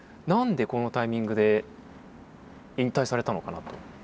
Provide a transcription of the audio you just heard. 何でこのタイミングで引退されたのかなと。